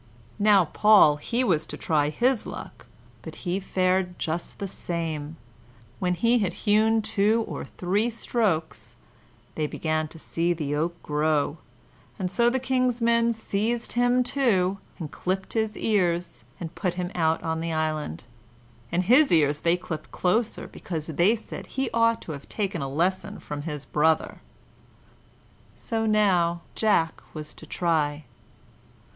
Now Paul, he was to try his luck, but he fared just the same; when he had hewn two or three strokes, they began to see the oak grow, and so the King's men seized him too, and clipped his ears, and put him out on the island; and his ears they clipped closer, because they said he ought to have taken a lesson from his brother. So now Jack was to try.